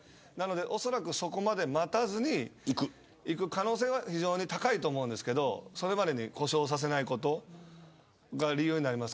おそらく、そこまで待たずにいく可能性は非常に高いと思うんですがそれまでに故障させないこと。